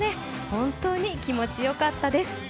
本当に気持ちよかったです。